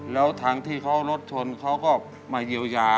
แล้วทางที่เขารถชนเขาก็มาเยียวยา